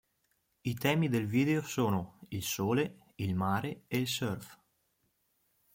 I temi del video sono il sole, il mare e il surf.